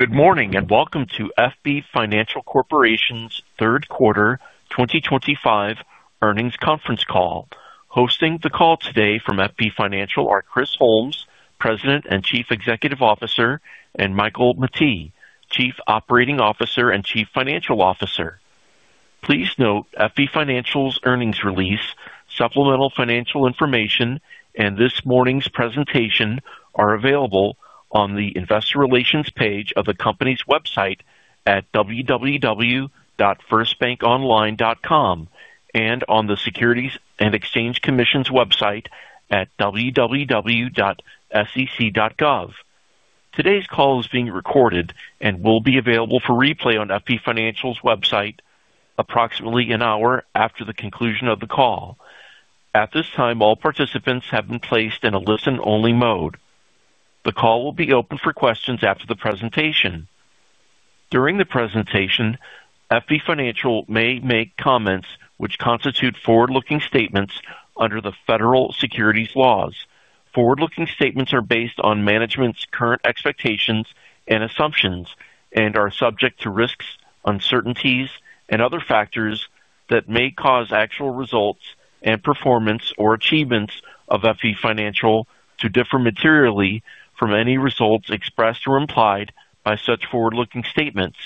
Good morning and welcome to FB Financial Corporation's third quarter 2025 earnings conference call. Hosting the call today from FB Financial are Chris Holmes, President and Chief Executive Officer, and Michael M. Mettee, Chief Operating Officer and Chief Financial Officer. Please note, FB Financial's earnings release, supplemental financial information, and this morning's presentation are available on the Investor Relations page of the company's website at www.firstbankonline.com and on the Securities and Exchange Commission's website at www.sec.gov. Today's call is being recorded and will be available for replay on FB Financial's website approximately an hour after the conclusion of the call. At this time, all participants have been placed in a listen-only mode. The call will be open for questions after the presentation. During the presentation, FB Financial may make comments which constitute forward-looking statements under the federal securities laws. Forward-looking statements are based on management's current expectations and assumptions and are subject to risks, uncertainties, and other factors that may cause actual results and performance or achievements of FB Financial to differ materially from any results expressed or implied by such forward-looking statements.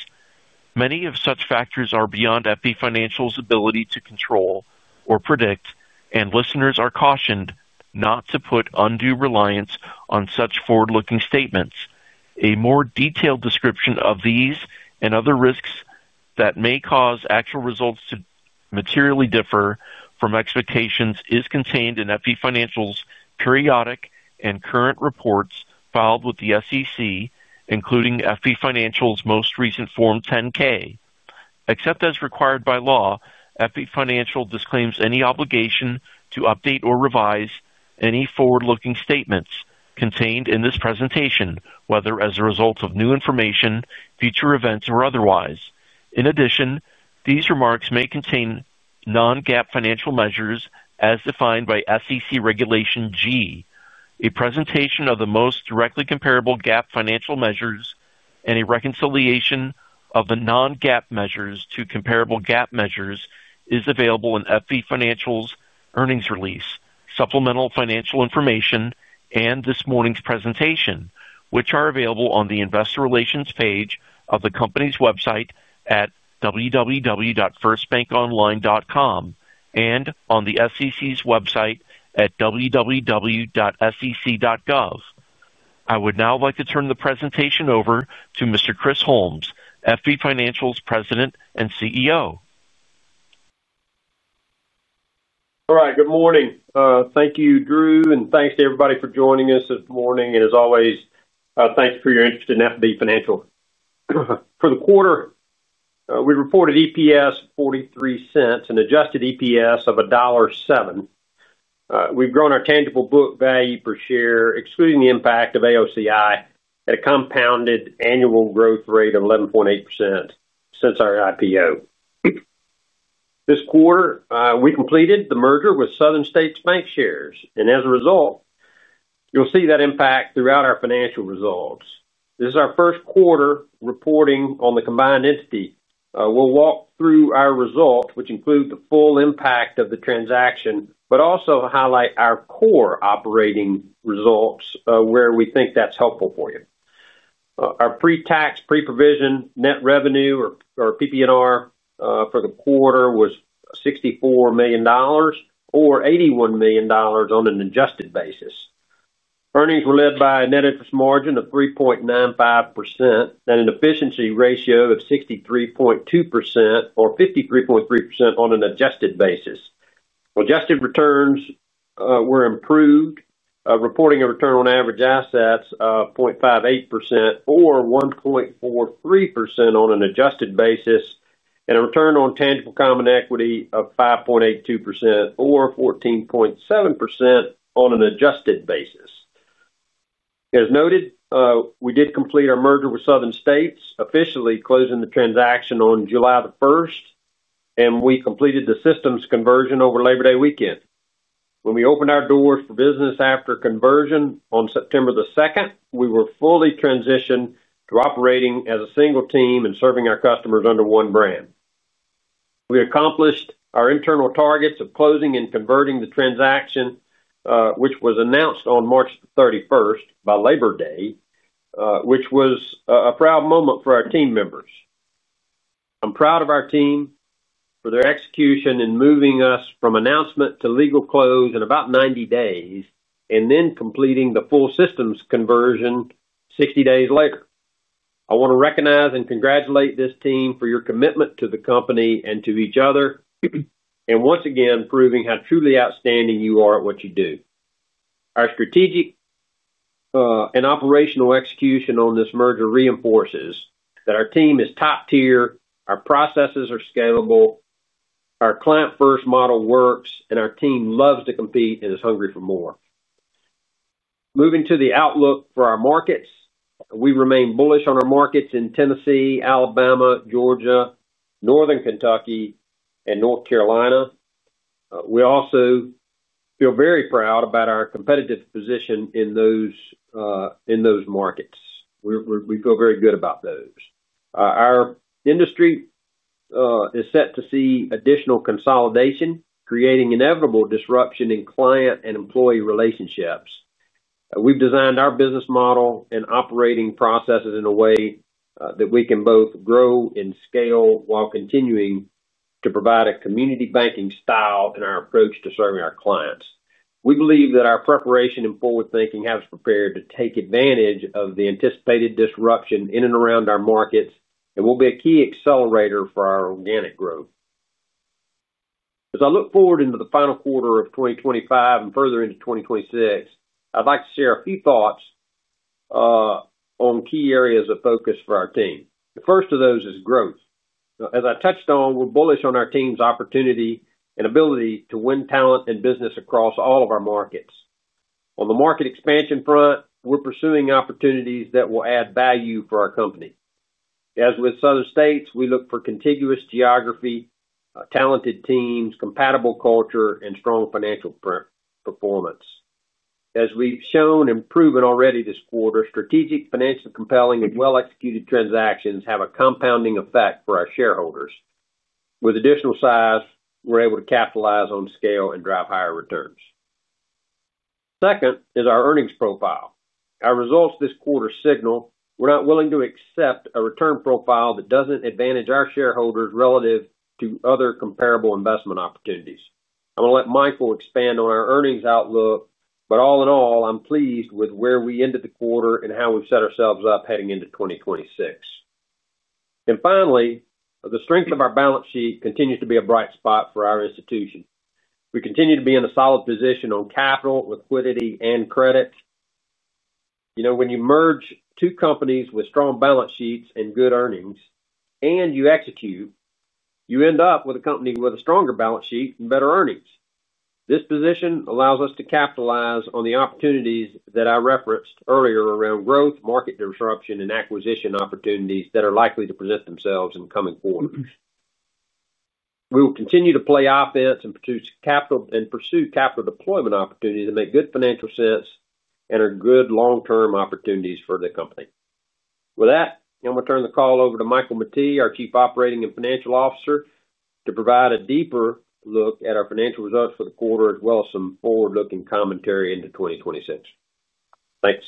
Many of such factors are beyond FB Financial's ability to control or predict, and listeners are cautioned not to put undue reliance on such forward-looking statements. A more detailed description of these and other risks that may cause actual results to materially differ from expectations is contained in FB Financial's periodic and current reports filed with the SEC, including FB Financial's most recent Form 10-K. Except as required by law, FB Financial disclaims any obligation to update or revise any forward-looking statements contained in this presentation, whether as a result of new information, future events, or otherwise. In addition, these remarks may contain non-GAAP financial measures as defined by SEC Regulation G. A presentation of the most directly comparable GAAP financial measures and a reconciliation of the non-GAAP measures to comparable GAAP measures is available in FB Financial's earnings release, supplemental financial information, and this morning's presentation, which are available on the Investor Relations page of the company's website at www.firstbankonline.com and on the SEC's website at www.sec.gov. I would now like to turn the presentation over to Mr. Chris Holmes, FB Financial's President and Chief Executive Officer. All right, good morning. Thank you, Drew, and thanks to everybody. for joining us this morning. Thank you for your interest in FB Financial. For the quarter we reported EPS $0.43, an adjusted EPS of $1.07. We've grown our tangible book value per. Share, excluding the impact of AOCI. A compounded annual growth rate of 11.8% since our IPO. This quarter we completed the merger with Southern States Bancshares and as a result, you'll see that impact throughout our financial results. This is our first quarter reporting on the combined entity. We'll walk through our results, which include the full impact of the transaction, but also highlight our core operating results where we think that's helpful for you. Our pre-tax pre-provision net revenue or PPNR for the quarter was $64 million or $81 million on an adjusted basis. Earnings were led by a net interest margin of 3.95% and an efficiency ratio of 63.2% or 53.3% on an adjusted basis. Adjusted returns were improved, reporting a return on average assets of 0.58% or 1.43% on an adjusted basis and a return on tangible common equity of 5.82% or 14.7% on an adjusted basis. As noted, we did complete our merger with Southern States, officially closing the transaction on July 1 and we completed the systems conversion over Labor Day weekend. When we opened our doors for business after conversion on September 2, we were fully transitioned to operating as a single team and serving our customers under one brand. We accomplished our internal targets of closing and converting the transaction, which was announced on March 31, by Labor Day, which was a proud moment for our team members. I'm proud of our team for their execution in moving us from announcement to legal close in about 90 days and then completing the full systems conversion 60 days later. I want to recognize and congratulate this team for your commitment to the company and to each other and once again proving how truly outstanding you are at what you do. Our strategic and operational execution on this merger reinforces that our team is top tier, our processes are scalable, our client-first model works and our team loves to compete and is hungry for more. Moving to the outlook for our markets, we remain bullish on our markets in Tennessee, Alabama, Georgia, Northern Kentucky and North Carolina. We also feel very proud about our. Competitive position in those markets. We feel very good about those. Our industry is set to see additional consolidation, creating inevitable disruption in client and employee relationships. We've designed our business model and operating processes in a way that we can both grow and scale while continuing to provide a community banking style in our approach to serving our clients. We believe that our preparation and forward thinking have us prepared to take advantage of the anticipated disruption in and around our markets and will be a key accelerator for our organic growth. As I look forward into the final quarter of 2025 and further into 2026, I'd like to share a few thoughts on key areas of focus for our team. The first of those is growth. As I touched on, we're bullish on our team's opportunity and ability to win talent and business across all of our markets. On the market expansion front, we're pursuing opportunities that will add value for our company. As with Southern States, we look for contiguous geography, talented teams, compatible culture, and strong financial performance. As we've shown and proven already this quarter, strategic, financial, compelling, and well-executed transactions have a compounding effect for our shareholders. With additional size, we're able to capitalize on scale and drive higher returns. Second is our earnings profile. Our results this quarter signal we're not willing to accept a return profile that doesn't advantage our shareholders relative to other comparable investment opportunities. I'm going to let Michael expand on our earnings outlook, but all in all, I'm pleased with where we ended the quarter and how we've set ourselves up heading into 2026. Finally, the strength of our balance sheet continues to be a bright spot for our institution. We continue to be in a solid position on capital, liquidity, and credit. You know when you merge two companies with strong balance sheets and good earnings and you execute, you end up with a company with a stronger balance sheet and better earnings. This position allows us to capitalize on the opportunities that I referenced earlier around growth, market disruption, and acquisition opportunities that are likely to present themselves in coming forward. We will continue to play offense and produce capital and pursue capital deployment opportunities that make good financial sense and are good long-term opportunities for the company. With that, I'm going to turn the call over to Michael Mettee, our Chief Operating and Financial Officer, to provide a deeper look at our financial results for the quarter as well as some forward-looking commentary into 2026. Thanks,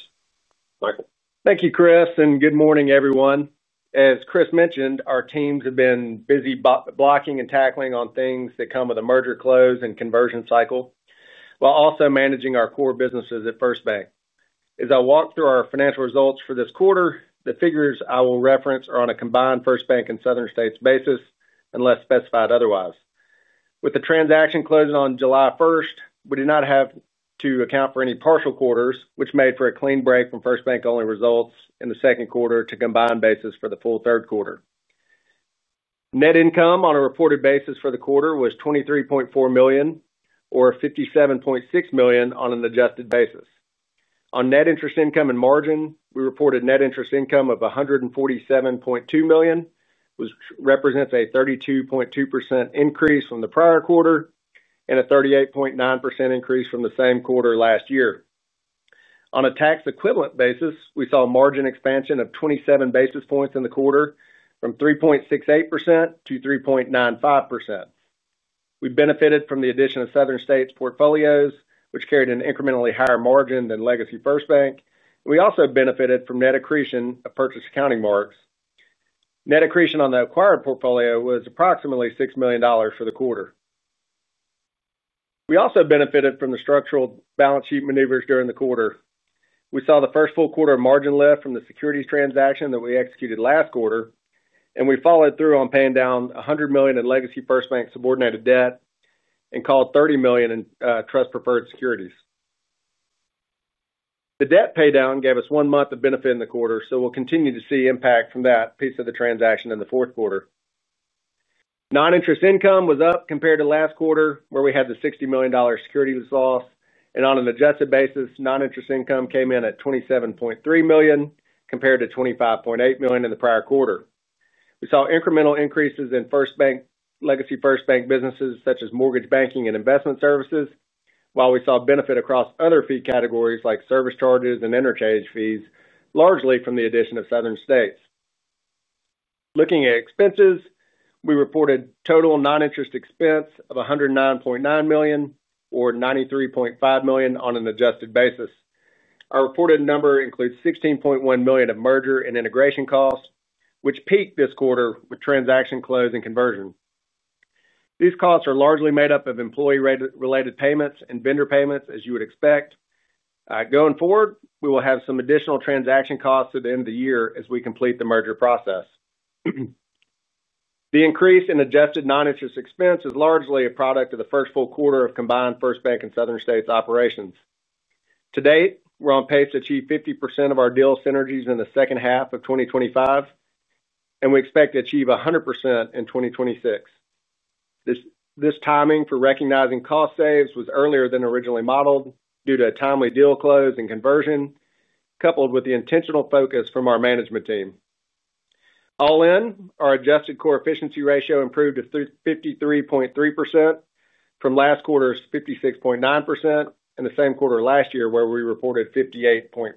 Michael. Thank you, Chris, and good morning, everyone. As Chris mentioned, our teams have been busy blocking and tackling on things that come with a merger close and conversion cycle, while also managing our core businesses at FB Financial Corporation. As I walk through our financial results for this quarter, the figures I will reference are on a combined FB Financial Corporation and Southern States Bancshares basis unless specified otherwise. With the transaction closing on July 1, we did not have to account for any partial quarters, which made for a clean break from FB Financial Corporation only results in the second quarter to combined basis. For the full third quarter. Net income on a reported basis for the quarter was $23.4 million or $57.6 million on an adjusted basis on net interest income and margin. We reported net interest income of $147.2 million, which represents a 32.2% increase from the prior quarter and a 38.9% increase from the same quarter last year. On a tax equivalent basis, we saw margin expansion of 27 basis points in the quarter from 3.68% to 3.95%. We benefited from the addition of Southern States portfolios, which carried an incrementally higher margin than Legacy First Bank. We also benefited from net accretion of purchase accounting marks. Net accretion on the acquired portfolio was approximately $6 million for the quarter. We also benefited from the structural balance sheet maneuvers during the quarter. We saw the first full quarter of margin lift from the securities transaction that we executed last quarter, and we followed through on paying down $100 million in Legacy First Bank subordinated debt and called $30 million in trust preferred securities. The debt paydown gave us one month of benefit in the quarter, so we'll continue to see impact from that piece of the transaction. In the fourth quarter, non-interest income was up compared to last quarter where we had the $60 million securities loss, and on an adjusted basis non-interest income came in at $27.3 million compared to $25.8 million in the prior quarter. We saw incremental increases in First Bank Legacy First Bank businesses such as mortgage banking and investment services, while we saw benefit across other fee categories like service charges and interchange fees largely from the addition of Southern States. Looking at expenses, we reported total non-interest expense of $109.9 million or $93.5 million on an adjusted basis. Our reported number includes $16.1 million of merger and integration costs, which peaked this quarter with transaction closing conversion. These costs are largely made up of employee-related payments and vendor payments. As you would expect, going forward we will have some additional transaction costs at the end of the year as we complete the merger process. The increase in adjusted non-interest expense is largely a product of the first full quarter of combined First Bank and Southern States operations to date. We're on pace to achieve 50% of our deal synergies in the second half of 2025, and we expect to achieve 100% in 2026. This timing for recognizing cost saves was earlier than originally modeled due to a timely deal close and conversion, coupled with the intentional focus from our management team. All in, our adjusted core efficiency ratio improved to 53.3% from last quarter's 56.9% and the same quarter last year where we reported 58.4%.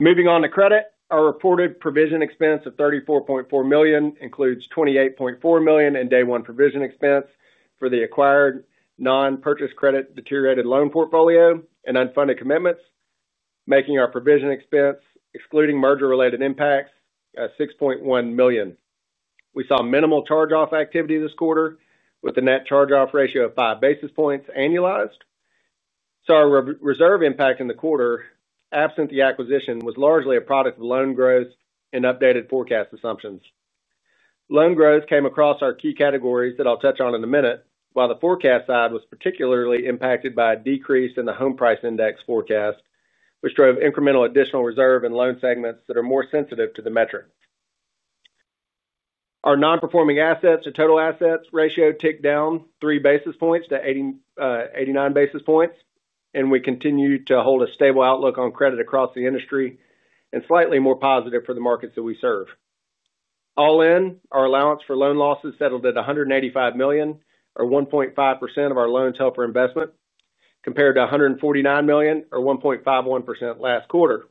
Moving on to credit, our reported provision expense of $34.4 million includes $28.4 million in day one provision expense for the acquired non-purchase credit deteriorated loan portfolio and unfunded commitments, making our provision expense excluding merger related impacts $6.1 million. We saw minimal charge-off activity this quarter with the net charge-off ratio of 5 basis points annualized, so our reserve impact in the quarter absent the acquisition was largely a product of loan growth and updated forecast assumptions. Loan growth came across our key categories that I'll touch on in a minute. While the forecast side was particularly impacted by a decrease in the home price index forecast, which drove incremental additional reserve in loan segments that are more sensitive. To the metric. Our non-performing assets to total assets ratio ticked down 3 basis points to 89 basis points, and we continue to hold a stable outlook on credit across the industry, slightly more positive for the markets that we serve. All in, our allowance for loan losses settled at $185 million or 1.5% of our loans held for investment compared to $149 million or 1.51% last quarter.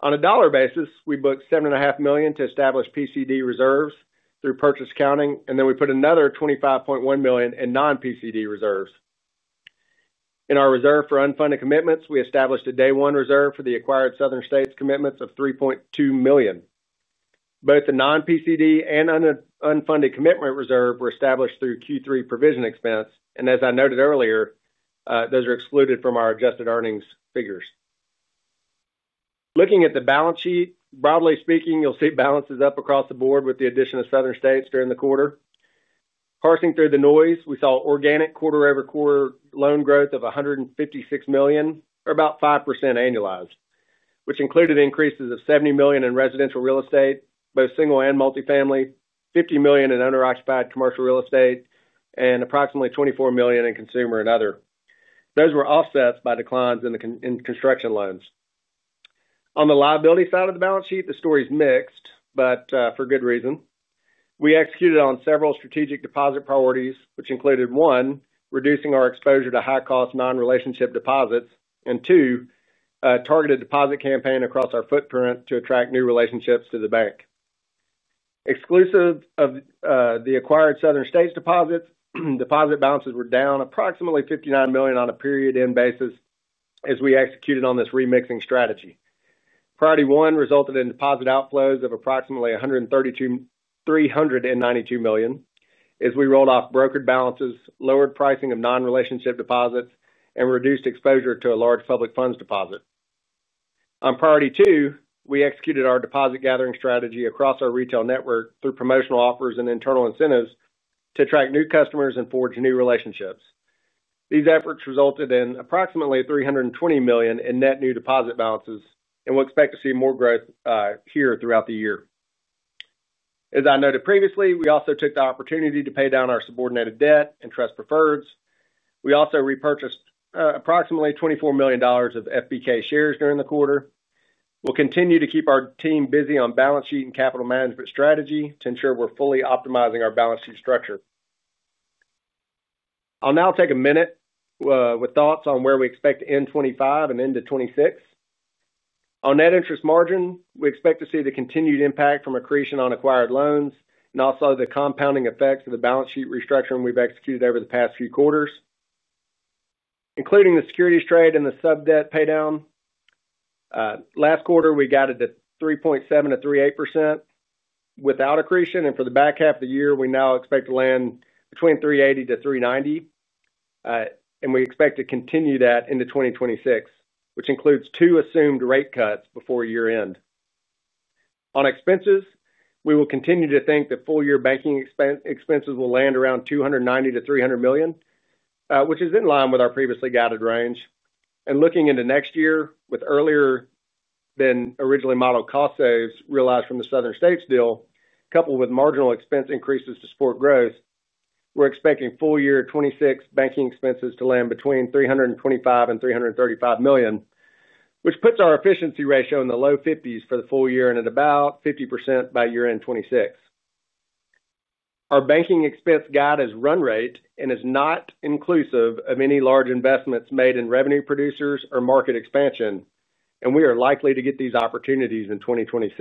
On a dollar basis, we booked $7.5 million to establish PCD reserves through purchase accounting, and then we put another $25.1 million in non-PCD reserves in our reserve for unfunded commitments. We established a day one reserve for the acquired Southern States commitments of $3.2 million. Both the non-PCD and unfunded commitment reserve were established through Q3 provision expense, and as I noted earlier, those are excluded from our adjusted earnings figures. Looking at the balance sheet, broadly speaking, you'll see balances up across the board with the addition of Southern States during the quarter. Parsing through the noise, we saw organic quarter-over-quarter loan growth of $156 million or about 5% annualized, which included increases of $70 million in residential real estate, both single and multifamily, $50 million in owner-occupied commercial real estate, and approximately $24 million in consumer and other. Those were offset by declines in construction loans. On the liability side of the balance sheet, the story is mixed but for good reason. We executed on several strategic deposit priorities, which included: one, reducing our exposure to high-cost non-relationship deposits; and two, a targeted deposit campaign across our footprint to attract new relationships to the bank. Exclusive of the acquired Southern States deposits, deposit balances were down approximately $59 million on a period-end basis as we executed on this remixing strategy. Priority one resulted in deposit outflows of approximately $132 million as we rolled off brokered balances, lowered pricing of non-relationship deposits, and reduced exposure to a large public funds deposit. On priority two, we executed our deposit gathering strategy across our retail network through promotional offers and internal incentives to attract new customers and forge new relationships. These efforts resulted in approximately $320 million in net new deposit balances, and we'll expect to see more growth here throughout the year. As I noted previously, we also took the opportunity to pay down our subordinated debt and trust preferreds. We also repurchased approximately $24 million of FBK shares during the quarter. We'll continue to keep our team busy on balance sheet and capital management strategy to ensure we're fully optimizing our balance sheet structure. I'll now take a minute with thoughts on where we expect to end 2025 and into 2026. On net interest margin, we expect to see the continued impact from accretion on acquired loans and also the compounding effects of the balance sheet restructuring we've executed over the past few quarters, including the securities trade and the sub debt pay down. Last quarter, we guided to 3.7% to 3.8% without accretion, and for the back half of the year, we now expect to land between 3.80% to 3.90%, and we expect to continue that into 2026, which includes two assumed rate cuts before year end. On expenses, we will continue to think that full year banking expenses will land around $290 million to $300 million, which is in line with our previously guided range. Looking into next year, with earlier than originally modeled cost saves realized from the Southern States deal, coupled with marginal expense increases to support growth, we're expecting full year 2026 banking expenses to land between $325 million and $335 million, which puts our efficiency ratio in the low 50s for the full year and at about 50% by year end 2026. Our banking expense guide is run rate and is not inclusive of any large investments made in revenue producers or market expansion, and we are likely to get these opportunities in 2026.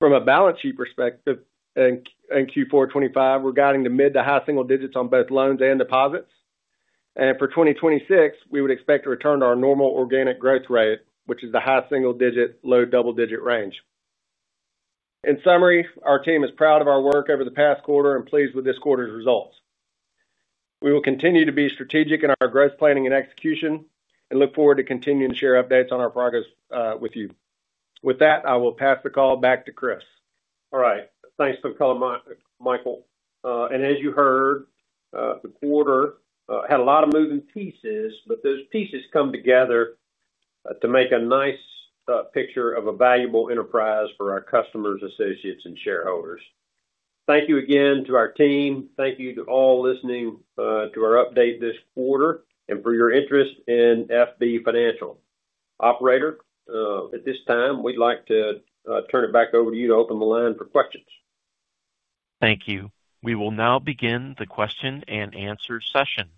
From a balance sheet perspective, in Q4 2025, we're guiding the mid to high single digits on both loans and deposits, and for 2026, we would expect to return to our normal organic growth rate, which is the high single digit to low double digit range. In summary, our team is proud of our work over the past quarter and pleased with this quarter's results. We will continue to be strategic in our growth planning and execution and look forward to continuing to share updates on our progress with you. With that, I will pass the call back to Chris. All right. Thanks for the color, Michael. As you heard, the quarter had. A lot of moving pieces, but those pieces come together to make a nice picture of a valuable enterprise for our customers, associates, and shareholders. Thank you again to our team. Thank you to all listening to our update this quarter and for your interest in FB Financial. Operator, at this time we'd like to turn it back over to you to open the line for questions. Thank you. We will now begin the question and answer session.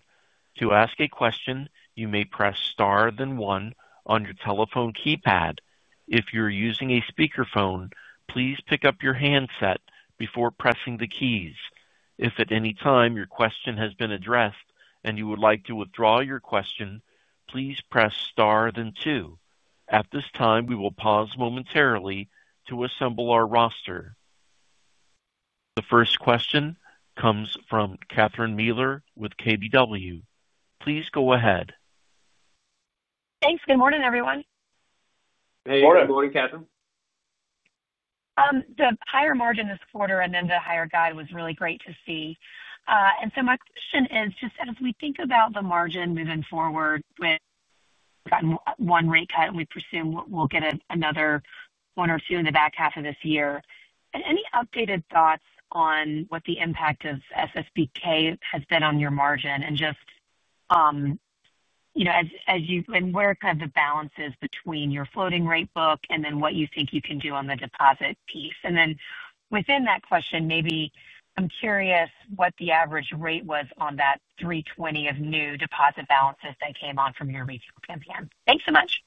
To ask a question, you may press star then one on your telephone keypad. If you're using a speakerphone, please pick up your handset before pressing the keys. If at any time your question has been addressed and you would like to withdraw your question, please press star then two. At this time, we will pause momentarily to assemble our roster. The first question comes from Kathryn Mehler with Keefe, Bruyette & Woods. Please go ahead. Thanks. Good morning, everyone. Good morning, Katherine. The higher margin this quarter and the higher guide was really great to see. My question is just as we think about the margin moving forward with one rate cut and we presume we'll get another one or two in the back half of this year. Any updated thoughts on what the impact of SSBK has been on your margin and just where the balance is between your floating rate book and what you think you can do on the deposit piece? Within that question, maybe I'm curious what the average rate was on that $320 million of new deposit balances that came on from your retail campaign. Thanks so much.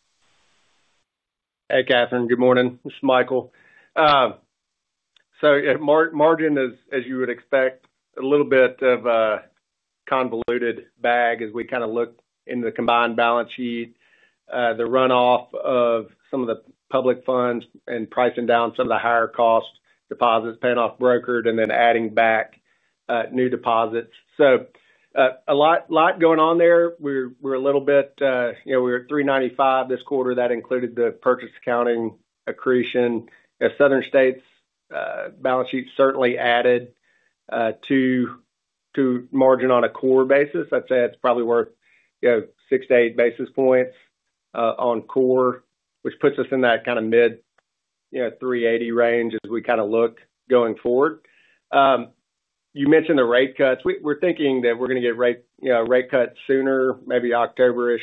Hey Kathryn, good morning. This is Michael. Margin is, as you would expect, a little bit of a convoluted bag as we look in the combined balance sheet, the runoff of some of the public funds and pricing down some of the higher cost deposits, paying off brokered and then adding back new deposits. A lot going on there. We're a little bit, you know, we were 3.95% this quarter. That included the purchase accounting accretion. Southern States balance sheet certainly added to margin on a core basis. I'd say it's probably worth, you know, 6 to 8 basis points on core, which puts us in that kind of mid, you know, 3.80% range as we look going forward. You mentioned the rate cuts. We're thinking that we're going to get rate, you know, rate cut sooner, maybe October-ish,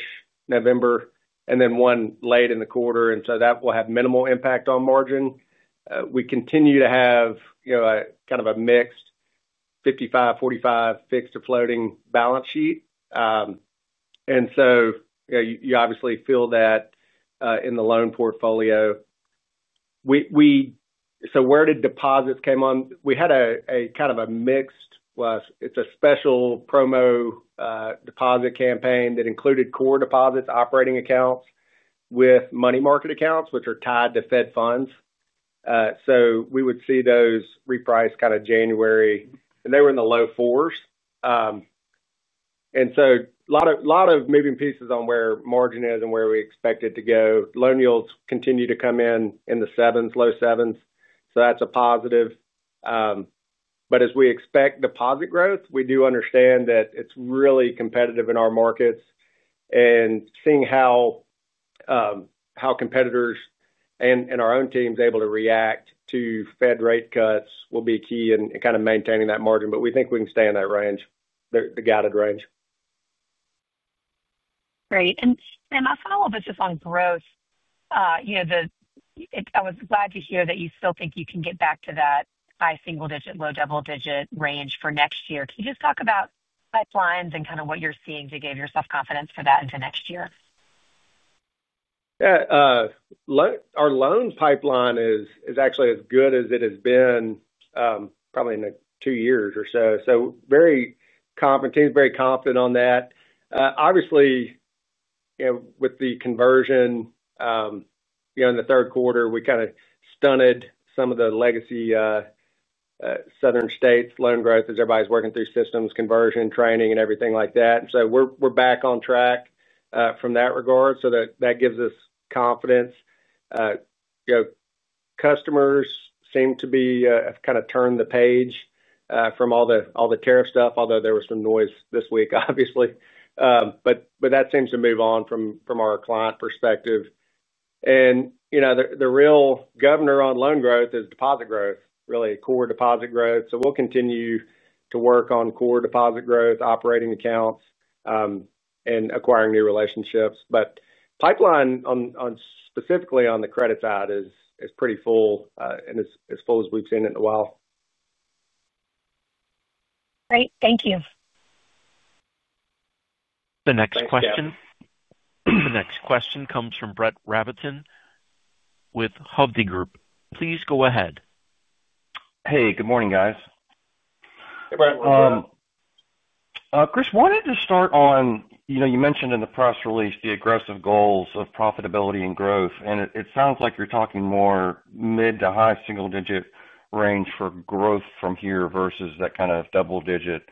November, and then one late in the quarter. That will have minimal impact on margin. We continue to have, you know, kind of a mixed 55%, 45% fixed or floating balance sheet, and you obviously feel that in the loan portfolio. Where deposits came on, we had a kind of a mixed, it's a special promo deposit campaign that included core deposits, operating accounts with money market accounts which are tied to Fed funds. We would see those reprice kind of January, and they were in the low fours. A lot of moving pieces on where margin is and where we expect it to go. Loan yields continue to come in, in the sevens, low sevens, so that's a positive. As we expect deposit growth, we do understand that it's really competitive in our markets, and seeing how competitors and our own teams are able to react to Fed rate cuts will be key in maintaining that margin. We think we can stay in that range, the guided range. Great. My follow-up is on growth. I was glad to hear that you still think you can get back to that high single digit, low double digit range for next year. Can you just talk about pipelines and kind of what you're seeing to give yourself confidence for that into next year? Yeah, our loan pipeline is actually as good as it has been probably in. Two years or so. Very confident, team's very confident on that. Obviously, with the conversion in the third quarter, we kind of stunted some of the legacy Southern States loan growth as everybody's working through systems conversion, training, and everything like that. We're back on track from that regard, which gives us confidence. Customers seem to have kind of turned the page from all the tariff stuff. Although there was some noise this week, obviously, that seems to move on from our client perspective. The real governor on loan growth is deposit growth, really core deposit growth. We'll continue to work on core deposit growth, operating accounts, and acquiring new relationships. Pipeline specifically on the credit side is pretty full and as full as we've seen it in a while. Great, thank you. The next question comes from Brett D. Rabatin with Hovde Group, Inc. Please go ahead. Hey, good morning guys. Hey Brett. Chris, wanted to start on, you know, you mentioned in the press release the. Aggressive goals of profitability and growth. It sounds like you're talking more mid to high single-digit range for growth. From here versus that kind of double-digit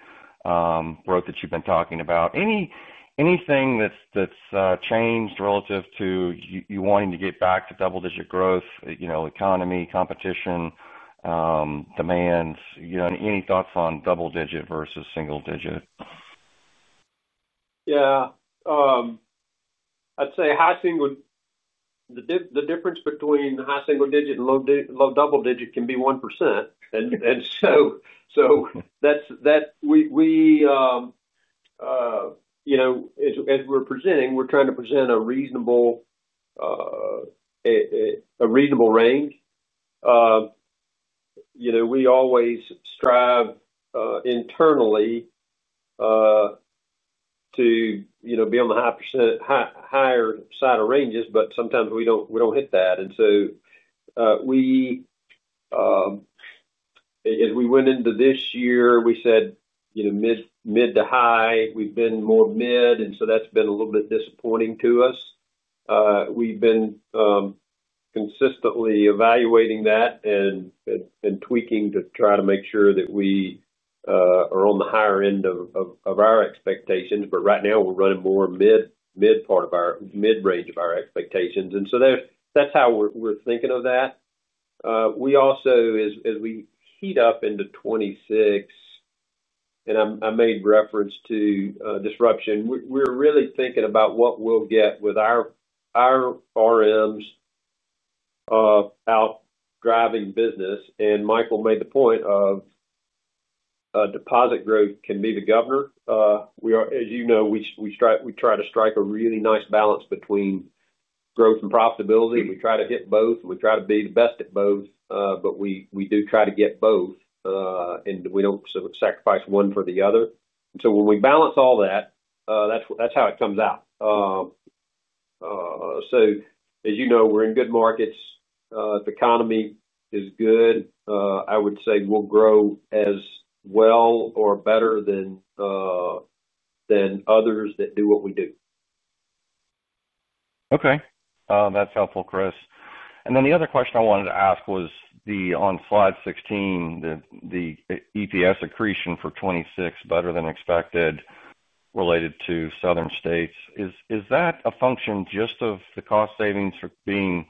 growth that you've been talking about. Anything that's changed relative to. You wanting to get back to double digit growth, you know, economy, competition demands, you know. Any thoughts on double digit versus single digit? Yeah, I'd say high single, the difference. Between high single digit and low double digit can be 1%. That's that we. You know. As we're presenting, we're trying to present a reasonable range. You know, we always strive internally to be on the higher side of ranges, but sometimes we don't hit that. As we went into this year, we said mid to high, we've been more mid. That's been a little bit disappointing to us. We've been consistently evaluating that and tweaking to try to make sure that we are on the higher end of our expectations. Right now we're running more mid part of our mid range of our expectations, and that's how we're thinking of that. We also, as we heat up into 2026 and I made reference to disruption, we're really thinking about what we'll get with our RMs out driving business. Michael made the point that deposit growth can be the governor. As you know, we try to strike a really nice balance between growth and profitability. We try to hit both, we try to be the best at both. We do try to get both and we don't sacrifice one for the other. When we balance all that, that's how it comes out. As you know, we're in good markets. If the economy is good, I would say we'll grow as well or better than others that do what we do. Okay, that's helpful, Chris. The other question I wanted. To ask, was that on slide 16, the EPS accretion for 2026 better than expected related to Southern States. Is that a function just of the cost savings being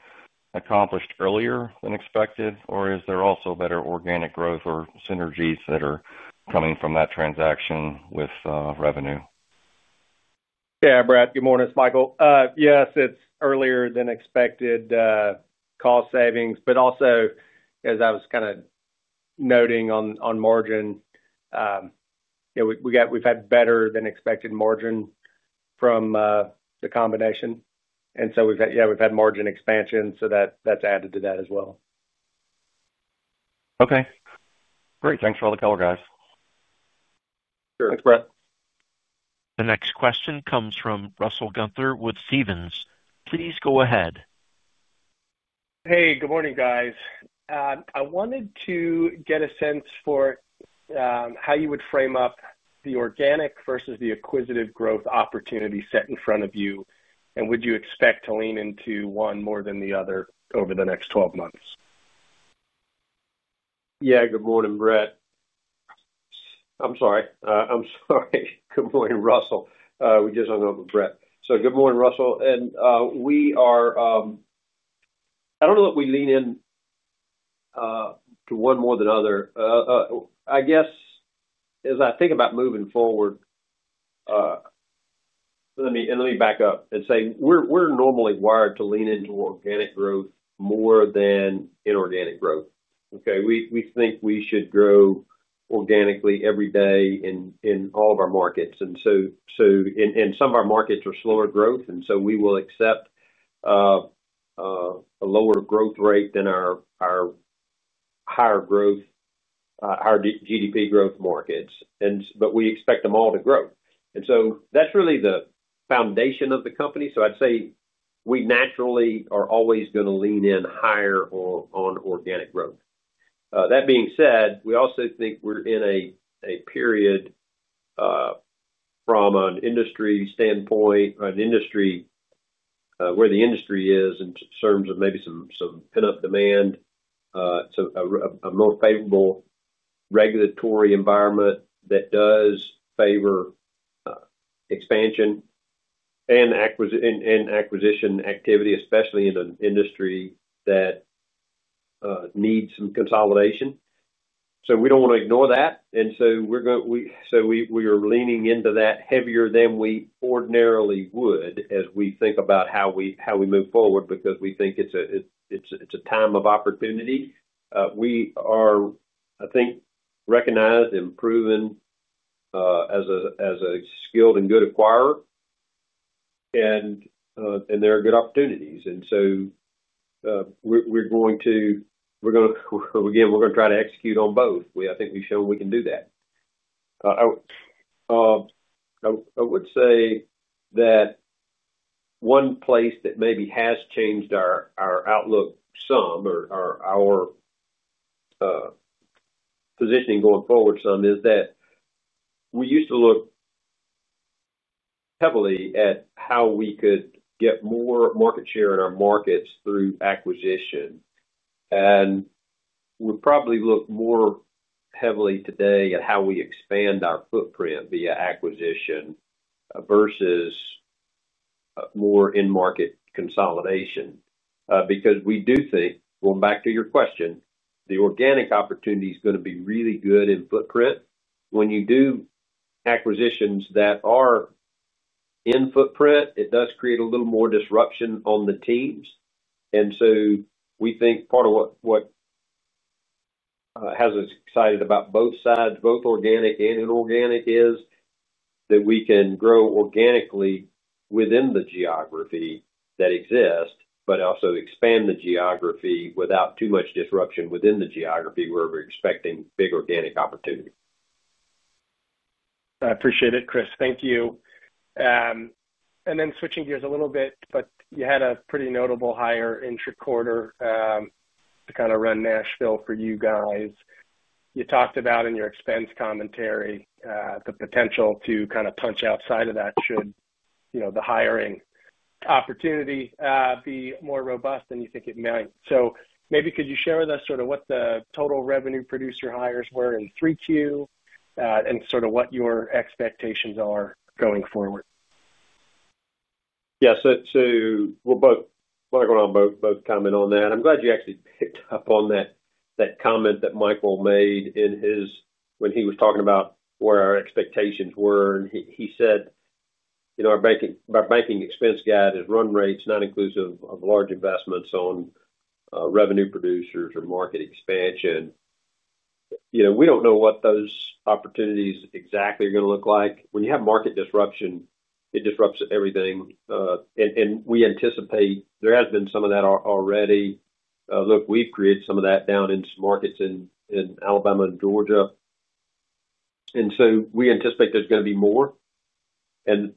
accomplished earlier than expected? Is there also better organic growth or synergies that are coming from that transaction with revenue? Yeah, Brett, good morning, it's Michael. Yes, it's earlier than expected cost savings, but also as I was noting on margin, we've had better than expected margin from the combination, and we've had margin expansion, so that's added to that as well. Okay, great. Thanks for all the color, guys. Thanks, Brett. The next question comes from Russell Elliott Teasdale Gunther, Stephens Inc., please go ahead. Hey, good morning guys. I wanted to get a sense for how you would frame up the organic versus the acquisitive growth opportunity set in front of you. Would you expect to lean into one more than the other over the next 12 months? Good morning, Russell. We just hung up with Brett, so good morning, Russell. We are, I don't know if we lean in to one more than the other. As I think about moving forward, let me back up and say we're normally wired to lean into organic growth more than inorganic growth. We think we should grow organically every day in all of our markets, and some of our markets are slower growth. We will accept a lower growth rate than our higher growth, higher GDP growth markets, but we expect them all to grow. That's really the foundation of the company. I'd say we naturally are always going to lean in higher on organic growth. That being said, we also think we're in a period from an industry standpoint, an industry where the industry is in terms of maybe some pent up demand, it's a more favorable regulatory environment that does favor expansion and acquisition activity, especially in an industry that needs some consolidation. We don't want to ignore that. We are leaning into that heavier than we ordinarily would as we think about how we move forward because we think it's a time of opportunity. We are, I think, recognized and proven as a skilled and good acquirer and there are good opportunities. We're going to try to execute on both. I think we've shown we can do that. I would say that one place that maybe has changed our outlook some or our positioning going forward some is that we used to look heavily at how we could get more market share in our markets through acquisition. We probably look more heavily today at how we expand our footprint via acquisition versus more in-market consolidation. We do think, going back to your question, the organic opportunity is going to be really good in footprint. When you do acquisitions that are in footprint, it does create a little more disruption on the teams. We think part of what has us excited about both sides, both organic and inorganic, is that we can grow organically within the geography that exists, but also expand the geography without too much disruption within the geography where we're expecting big organic opportunities. I appreciate it, Chris. Thank you. Switching gears a little bit, you had a pretty notable higher intra-quarter to kind of run Nashville for you guys. You talked about in your expense commentary the potential to kind of punch outside of that should the hiring opportunity be more robust than you think it might. Maybe could you share with us sort of what the total revenue producer hires were in 3Q and sort of what your expectations are going forward? Yeah, so Michael and I both comment on that. I'm glad you actually picked up on that comment that Michael made when he was talking about where our expectations were and he said, you know, our banking expense guide is run rates not inclusive of large investments on revenue producers or market expansion. You know, we don't know what those opportunities exactly are going to look like. When you have market disruption, it disrupts everything. We anticipate there has been some of that already. Look, we've created some of that down in markets in Alabama and Georgia and we anticipate there's going to be more and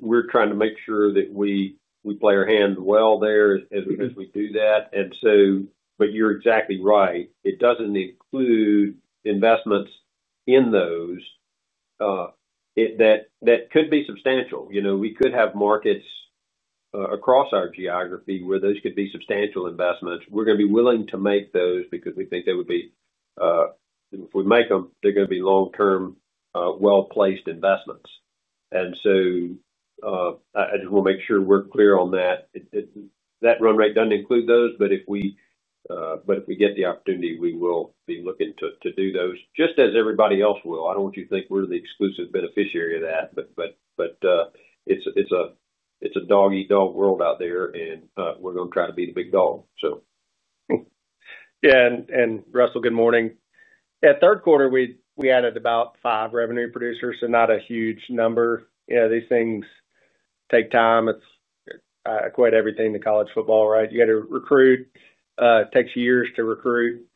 we're trying to make sure that we play our hand well there as we do that. You're exactly right, it doesn't include investments in those that could be substantial. We could have markets across our geography where those could be substantial investments. We're going to be willing to make those because we think they would be, if we make them, they're going to be long term well placed investments. I just want to make sure we're clear on that. That run rate doesn't include those. If we get the opportunity, we will be looking to do those just as everybody else will. I don't want you to think we're the exclusive beneficiary of that, but it's a dog eat dog world out there and we're going to try to be the big dog. Russell, good morning. At third quarter we added about five revenue producers, and not a huge number. These things take time. It's equate everything to college football. You got to recruit, takes years to recruit.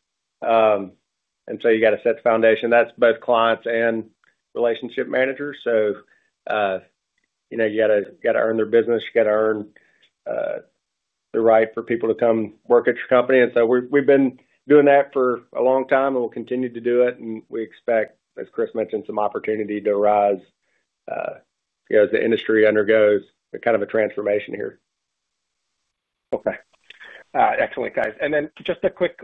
You got to set the foundation, that's both clients and relationship managers. You got to earn their business. You got to earn the right for people to come work at your company. We've been doing that for a long time and we'll continue to do it. We expect, as Chris mentioned, some opportunity to arise as the industry undergoes kind of a transformation here. Excellent guys. Just a quick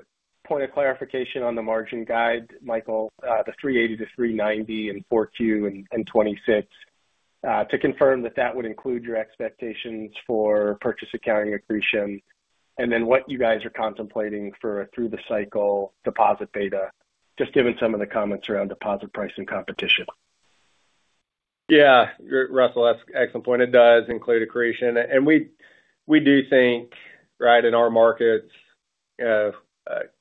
point of clarification on the margin guide, Michael, the 3.80% to 3.90% for Q4 2026, to confirm that that would include your expectations for purchase accounting accretion and then what you guys are contemplating for through the cycle deposit beta, just given some of the comments around deposit pricing competition. Yeah, Russell, that's excellent point. It does include accretion and we do think right in our markets,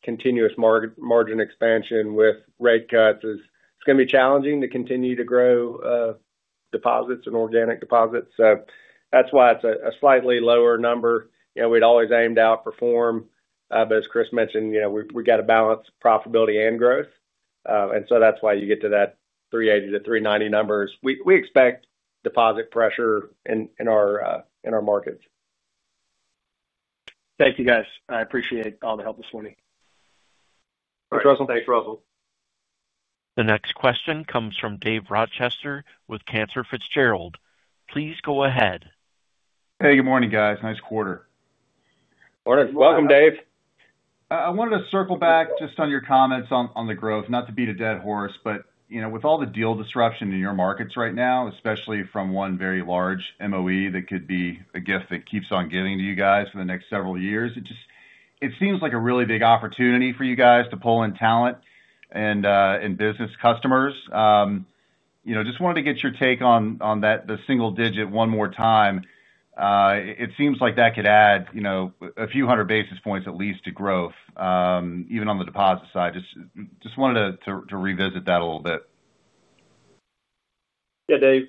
continuous margin expansion with rate cuts is going to be challenging to continue to grow deposits and organic deposits. That's why it's a slightly lower number. We'd always aimed to outperform, but as Chris mentioned, you got to balance profitability and growth, and that's why you get to that 3.80% to 3.90% numbers. We expect deposit pressure in our markets. Thank you, guys. I appreciate all the help this morning. Thanks, Russell. Thanks, Russell. The next question comes from Dave Rochester with Cantor Fitzgerald. Please go ahead. Hey, good morning, guys. Nice quarter. Morning. Welcome. Dave, I wanted to circle back just on your comments on the growth. Not to beat a dead horse, but with all the deal disruption in your markets right now, especially from one very large MOE that could be a gift that keeps on giving to you guys for the next several years, it just seems like a really big opportunity for you guys to pull in talent and business customers. I just wanted to get your take on that the single digit one more time. It seems like that could add a few hundred basis points at least to growth even on the deposit side. Just wanted to revisit that a little bit. Yeah, Dave,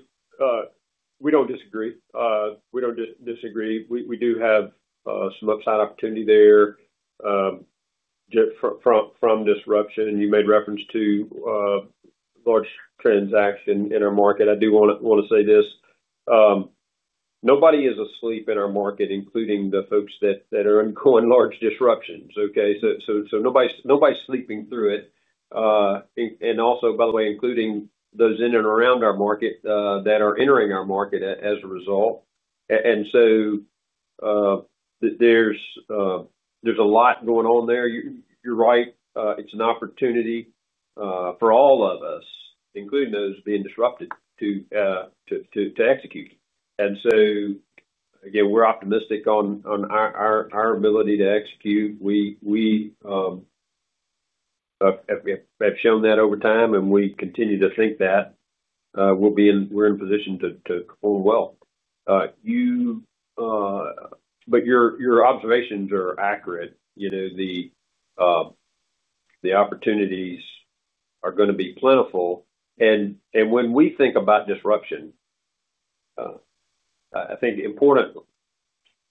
we don't disagree. We don't disagree. We do have some upside opportunity there from disruption. You made reference to large transaction in our market. I do want to say this. Nobody is asleep in our market, including the folks that are ongoing large disruptions. Okay? Nobody's sleeping through it. Also, by the way, including those in and around our market that are entering our market as a result. There's a lot going on there. You're right. It's an opportunity for all of us, including those being disrupted, to execute. Again, we're optimistic on our ability to execute. We have shown that over time and we continue to think that we're in a position to perform well. Your observations are accurate. The opportunities are going to be plentiful. When we think about disruption. I. think important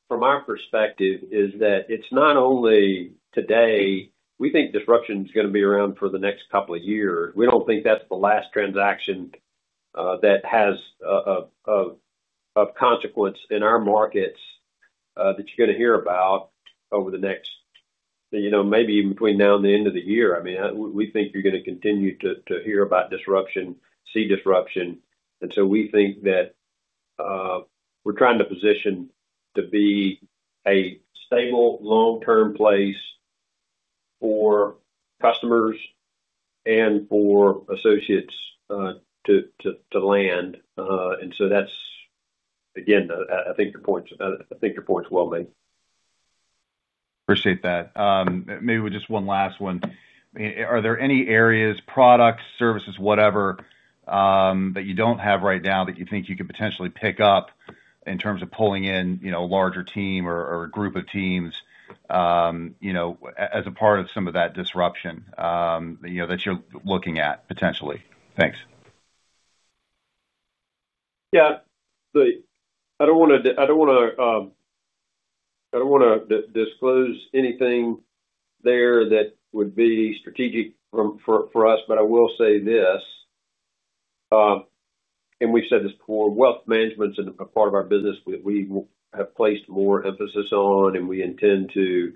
from our perspective is that it's not only today. We think disruption is going to be around for the next couple of years. We don't think that's the last transaction that has of consequence in our markets that you're going to hear about over the next, you know, maybe even between now and the end of the year. We think you're going to continue to hear about disruption, see disruption. We think that we're trying to position to be a stable, long term place for customers and for associates to land. That's again, I think the point, I think your point's well made. Appreciate that. Maybe just one last one. Are there any areas, products, services, whatever that you don't have right now that you think you could potentially pick up in terms of pulling in? A larger team or a group. Teams, as a part of some of that disruption that you're looking at potentially. Thanks. I don't want to. I don't. I don't want to disclose anything there that would be strategic for us. I will say this, and we've said this before, wealth management's a part of our business. We have placed more emphasis on it and we intend to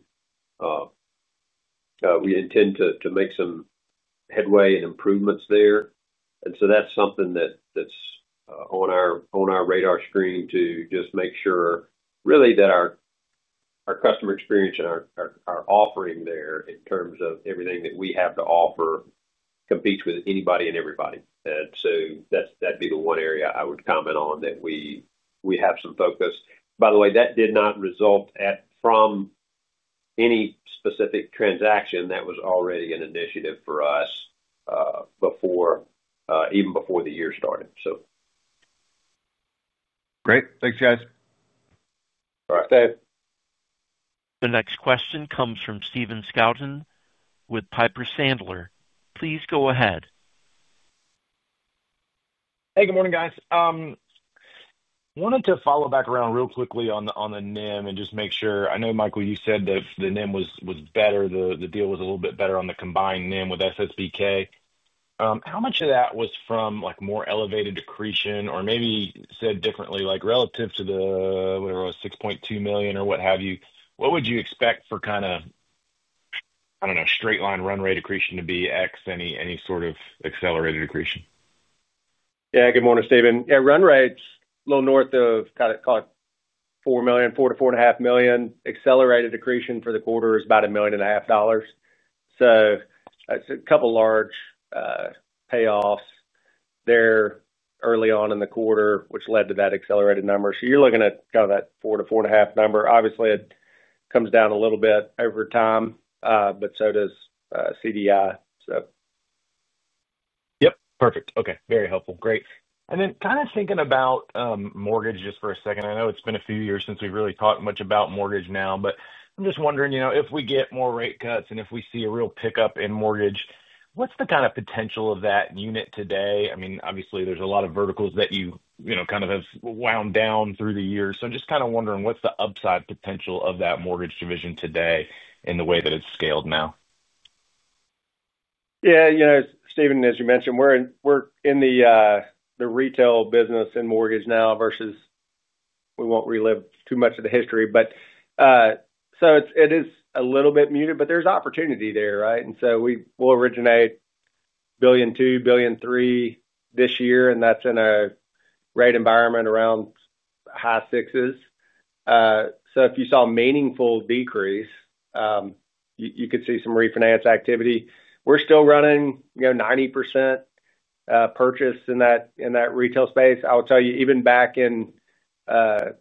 make some headway and improvements there. That's something that's on our radar screen to just make sure really that our customer experience and our offering there in terms of everything that we have to offer competes with anybody and everybody. That would be the one area I would comment on that we have some focus. By the way, that did not result from any specific transaction. That was already an initiative for us before, even before the year started. Great. Thanks guys. The next question comes from Stephen Kendall Scouten with Piper Sandler. Please go ahead. Hey, good morning guys. Wanted to follow back around real quickly on the NIM and just make sure. I know Michael, you said that the NIM was better. The deal was a little bit. Better on the combined NIM with SSBK. How much of that was from more elevated accretion, or maybe said differently, like relative to the $6.2 million. What have you. What would you expect for kind of straight line run rate accretion to be X, any sort of accelerated accretion. Yeah. Good morning, Stephen. Yeah, run rates a little north of, kind of call it $4 million, $4 to $4.5 million. Accelerated accretion for the quarter is about $1.5 million. It's a couple large payoffs there early on in the quarter, which led to that accelerated number. You're looking at kind of that $4 to $4.5 million number. Obviously, it comes down a little bit over time, but so does CDI. Yep, perfect. Okay, very helpful. Great. Thinking about mortgage just for a second, I know it's been a few years since we really talked much about mortgage now. I'm just wondering, if we get more rate cuts and if we see a real pickup in mortgage, what's the kind of potential of that unit today? Obviously, there's a lot of verticals that you have wound down through the year. I'm just wondering what's the upside potential of that mortgage division today in the way that it's scaled now. Yeah, you know, Stephen, as you mentioned, we're in the retail business and mortgage now versus—we won't relive too much of the history—it is a little bit muted, but there's opportunity there. We will originate $1 billion, $2 billion, $3 billion this year and that's in a rate environment around high sixes. If you saw meaningful decrease, you could see some refinance activity. We're still running 90% purchase in that retail space. Even back in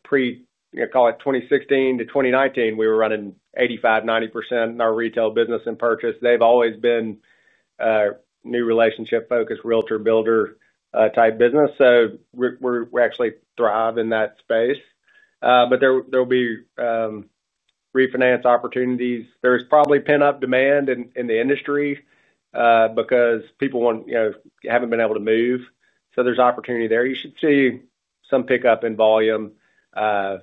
pre, call it 2016 to 2019, we were running 85%, 90% in our retail business and purchase. They've always been new relationship focused, realtor, builder type business. We actually thrive in that space. There will be refinance opportunities. There's probably pent up demand in the industry because people haven't been able to move. There's opportunity there. You should see some pickup in volume. There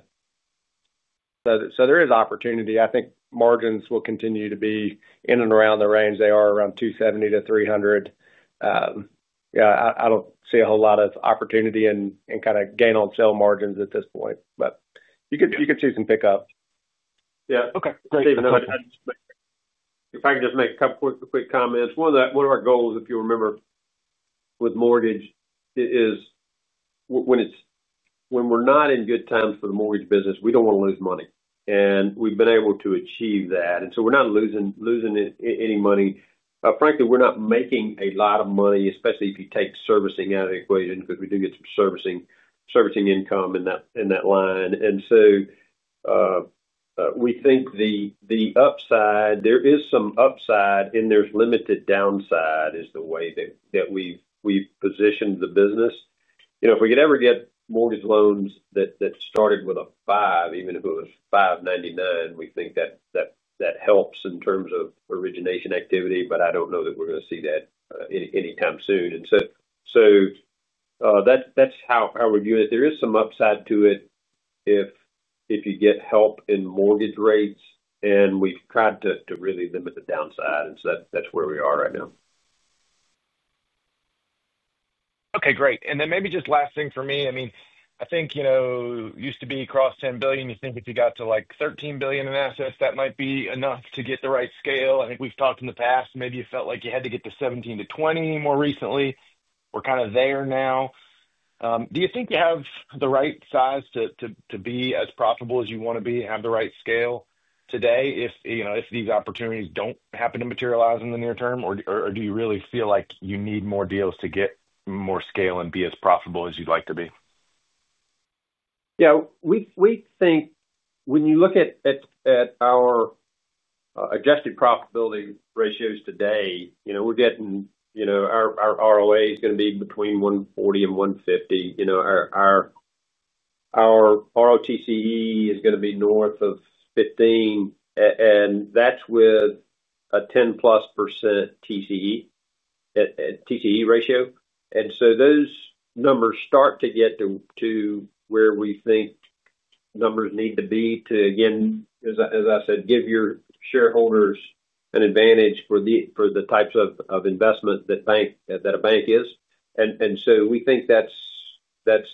is opportunity. I think margins will continue to be in and around the range they are, around 270 to 300. I don't see a whole lot of opportunity in kind of gain on. Sale margins at this point. You could see some pickup. Yeah. Okay, if I can just make a couple quick comments. One of our goals, if you remember with mortgage, is when we're not in good times for the mortgage business, we don't want to lose money and we've been able to achieve that. We're not losing any money, frankly. We're not making a lot of money, especially if you take servicing out of the equation because we do get some servicing income in that line. We think there is some upside and there's limited downside, which is the way that we've positioned the business. If we could ever get mortgage loans that started with a five, even if it was 5.99, we think that helps in terms of origination activity. I don't know that we're going to see that anytime soon. That's how we view it. There is some upside to it if you get help in mortgage rates and we've tried to really limit the downside, so that's where we are right now. Okay, great. Maybe just last thing for me, I think, you know, used to be across $10 billion, you think if you got to like $13 billion in assets that might be enough to get the right scale. I think we've talked in the past, maybe you felt like you had to get to $17 to $20 billion more recently. We're kind of there now. Do you think you have the right size to be as profitable as you want to be, have the right scale today if, you know, if these opportunities don't happen to materialize in the near term or do you really feel like you need more deals to get more scale and be as profitable as you'd like to be? Yeah, we think when you look at our adjusted profitability ratios today, you know we're getting, you know our ROA is going to be between 1.40% and 1.50%. You know, our ROTCE is going to be north of 15% and that's with a 10% plus TCE ratio. Those numbers start to get to where we think numbers need to be to, again, as I said, give your shareholders an advantage for the types of investment that a bank is. We think that's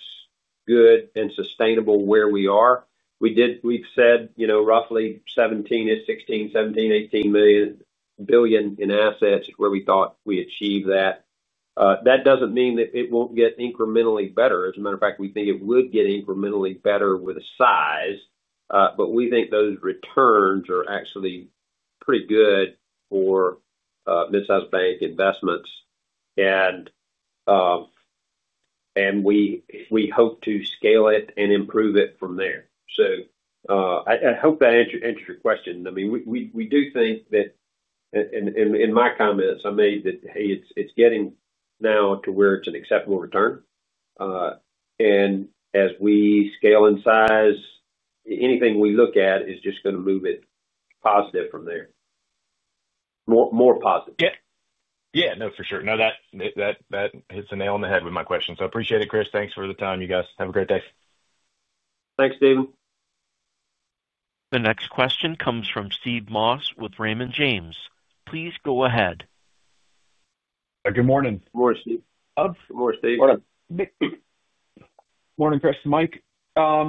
good and sustainable where we are. We've said, you know, roughly $16 billion, $17 billion, $18 billion in assets is where we thought we achieved that. That doesn't mean that it won't get incrementally better. As a matter of fact, we think it would get incrementally better with size. We think those returns are actually pretty good for mid-sized bank investments and we hope to scale it and improve it from there. I hope that answers your question. I mean, we do think that in my comments I made that, hey, it's getting now to where it's an acceptable return and as we scale in size, anything we look at is just going to move it positive from there, more positive. Yeah, for sure. That hits the nail on the head with my question. I appreciate it, Chris. Thanks for the time. You guys have a great day. Thanks David. The next question comes from Stephen M. Moss with Raymond James. Please go ahead. Good morning. Morning Chris. Mike,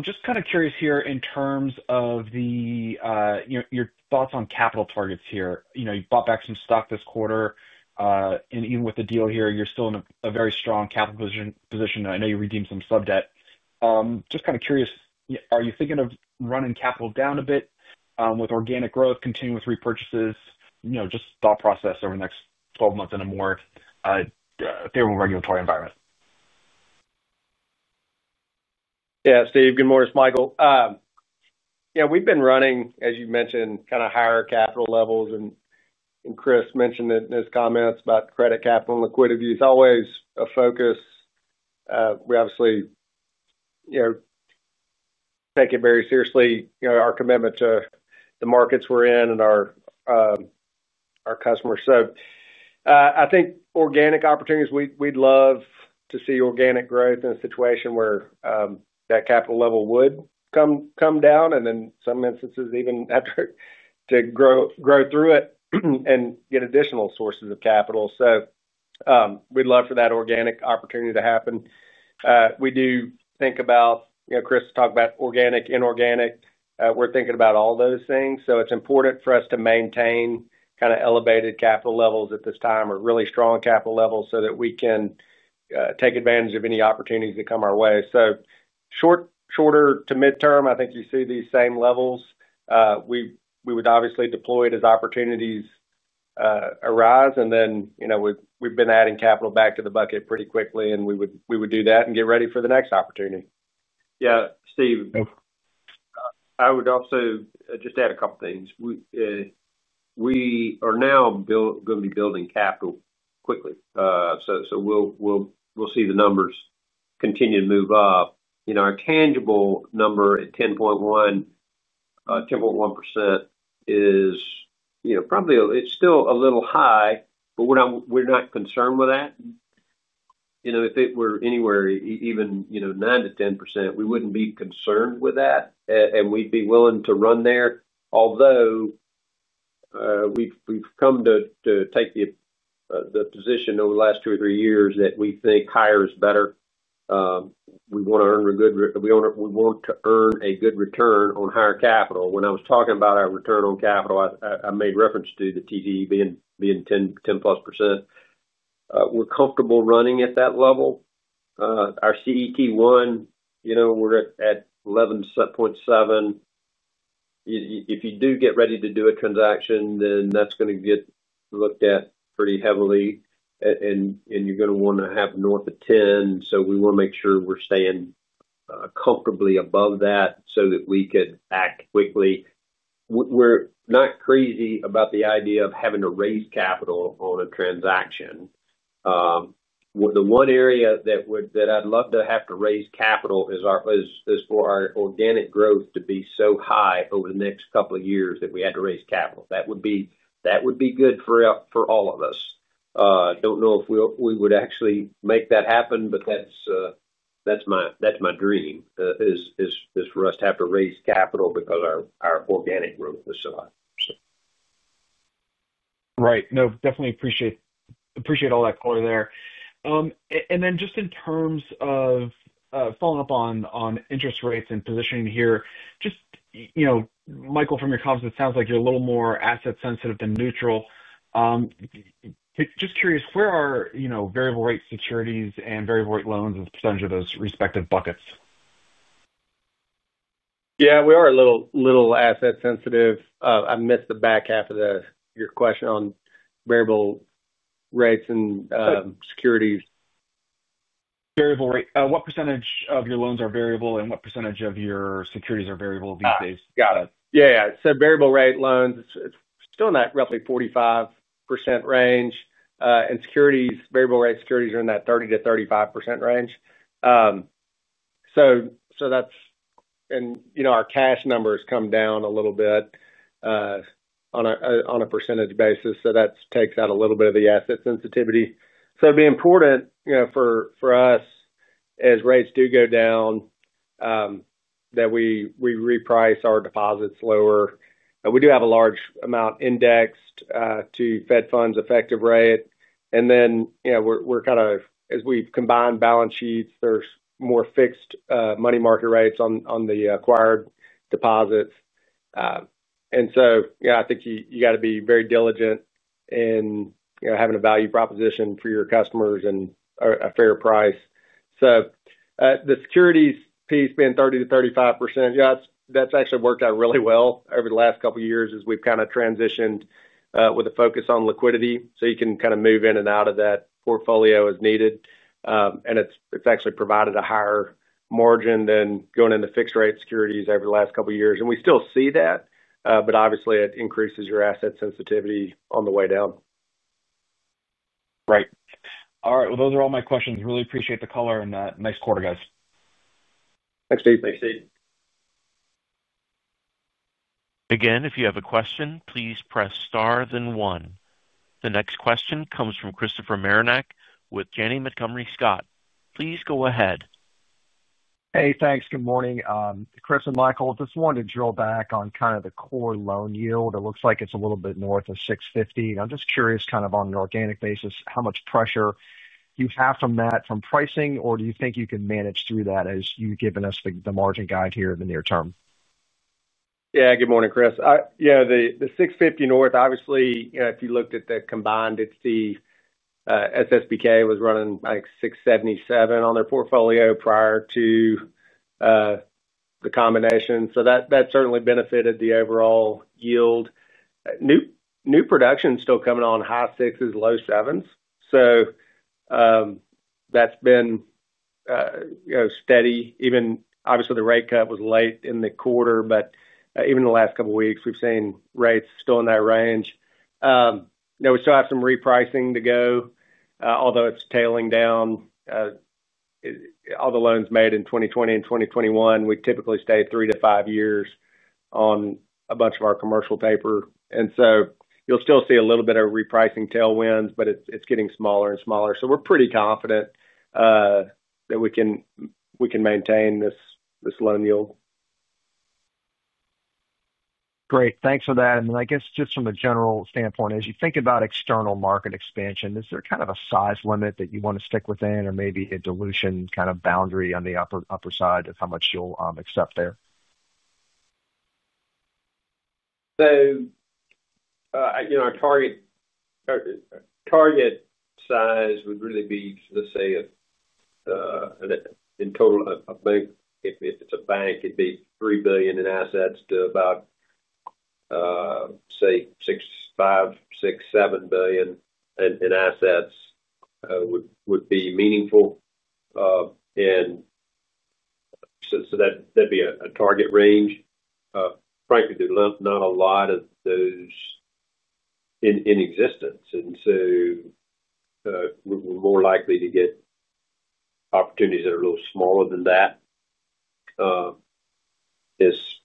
just kind of curious here in terms of your thoughts on capital targets here. You know, you bought back some stock this quarter and even with the deal here, you're still in a very strong capital position. I know you redeemed some sub debt. Just kind of curious, are you thinking of running capital down a bit with organic growth continuing with repurchases? Just thought process over the next 12 months in a more favorable regulatory environment. Yeah, Steve, good morning, it's Michael. We've been running, as you mentioned, kind of higher capital levels and Chris mentioned it in his comments about credit, capital, and liquidity is always a focus. We obviously take it very seriously, our commitment to the markets we're in and our customers. I think organic opportunities, we'd love to see organic growth in a situation where that capital level would come down and in some instances even have to grow through it and get additional sources of capital. We'd love for that organic opportunity to happen. We do think about, Chris talked about organic, inorganic. We're thinking about all those things. It's important for us to maintain kind of elevated capital levels at this time or really strong capital levels so that we can take advantage of any opportunities that come our way. Shorter to midterm, I think you see these same levels, we would obviously deploy it as opportunities arise and then we've been adding capital back to the bucket pretty quickly and we would do that and get ready for the next opportunity. Yeah, Steve, I would also just add a couple things. We are now going to be building capital quickly, so we'll see the numbers continue to move up. You know, our tangible number at 10.1, 10.1% is, you know, probably it's still a little high, but we're not concerned with that. You know, if it were anywhere even, you know, 9 to 10%, we wouldn't be concerned with that and we'd be willing to run there. Although we've come to take the position over the last two or three years that we think higher is better. We want to earn a good, we own it. We want to earn a good return on higher capital. When I was talking about our return on capital, I made reference to the TTE being 10 plus %. We're comfortable running at that level. Our CET1, you know, we're at 11.7. If you do get ready to do a transaction, then that's going to get looked at pretty heavily and you're going to want to have north of 10. We want to make sure we're staying comfortably above that so that we could act quickly. We're not crazy about the idea of having to raise capital on a transaction. The one area that would, that I'd love to have to raise capital is for our organic growth to be so high over the next couple of years that we had to raise capital. That would be good for all of us. Don't know if we would actually make that happen, but that's my dream, is for us to have to raise capital because our organic growth is so high. Right. I definitely appreciate all that color there. In terms of following up on interest rates and positioning here, Michael, from your comments, it sounds like you're a little more asset sensitive than neutral. Just curious, where are variable rate securities and variable rate loans as a percentage of those respective buckets? Yeah, we are a little asset sensitive. I missed the back half of your question on variable rates and securities. Variable rate, what percentage of your loans are variable and what percentage of your securities are variable these days? Got it. Yeah. Variable rate loans are still in that roughly 45% range, and variable rate securities are in that 30% to 35% range. Our cash numbers come down a little bit on a percentage basis, so that takes out a little bit of the asset sensitivity. It will be important for us, as rates do go down, that we reprice our deposits lower. We do have a large amount indexed to the Fed funds effective rate, and as we combine balance sheets, there is more fixed money market rates on the acquired deposits. I think you have to be very diligent in having a value proposition for your customers and a fair price. The securities piece being 30% to 35% has actually worked out really well. Over the last couple years as we've Kind of transitioned with a focus on liquidity, so you can kind of move in and out of that portfolio as needed. It's actually provided a higher margin than going into fixed rate securities over the last couple years. We still see that, but obviously it increases your asset sensitivity on the way down. All right, those are all my questions. Really appreciate the color and nice quarter, guys. Thanks, Steve. Thanks, Steve. Again, if you have a question, please press star then 1. The next question comes from Christopher William Marinac with Janney Montgomery Scott LLC. Please go ahead. Hey, thanks. Good morning, Chris and Michael. Just wanted to drill back on kind. Of the core loan yield. It looks like it's a little bit north of $650 million. I'm just curious, kind of on the organic basis, how much pressure you have from that, from pricing, or do you think you can manage through that as you've given us the margin guide here in the near term? Yeah. Good morning, Chris. Yeah, the 650 north, obviously, if you looked at the combined, it's the SSPK was running like 677 on their portfolio prior to the combination. That certainly benefited the overall yield. New production still coming on high sixes, low sevens. That's been steady. Obviously, the rate cut was late in the quarter, but even the last couple of weeks we've seen rates still in that range. We still have some repricing to go, although it's tailing down all the loans made in 2020 and 2021. We typically stay three to five years on a bunch of our commercial paper, and you'll still see a little bit of repricing tailwinds, but it's getting smaller and smaller. We're pretty confident that we can maintain this loan yield. Great, thanks for that. I guess just from a general standpoint, as you think about external market expansion, is there kind of a size limit that you want to stick within or maybe a dilution kind of boundary on the upper side of how much you'll accept? There's. Our target size would really be, let's say in total, I think if it's a bank, it'd be $3 billion in assets to about, say, $5 billion, $6 billion, $7 billion in assets would be meaningful. That'd be a target range. Frankly, there's not a lot of those in existence. We're more likely to get opportunities that are a little smaller than that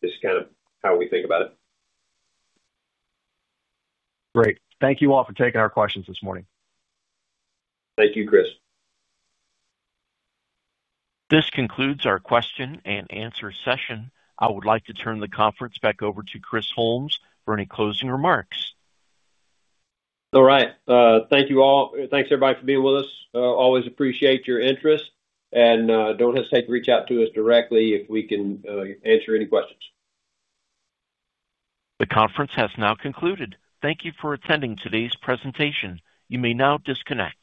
is kind of how we think about it. Great. Thank you all for taking our questions this morning. Thank you, Chris. This concludes our question and answer session. I would like to turn the conference back over to Chris Holmes for any closing remarks. All right, thank you all. Thanks everybody for being with us. Always appreciate your interest, and don't hesitate to reach out to us directly if we can answer any questions. The conference has now concluded. Thank you for attending today's presentation. You may now disconnect.